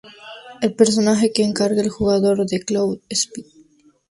El personaje que encarna el jugador es "Claude Speed.